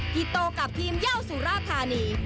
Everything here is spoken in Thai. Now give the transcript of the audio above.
ที่โตกับทีมเย่าสุราธานี